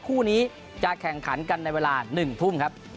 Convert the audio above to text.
คู่นี้จะแข่งขันกันในเวลา๑ทุ่มครับ